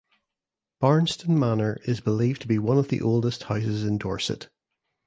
Barnston Manor is believed to be one of the oldest houses in Dorset.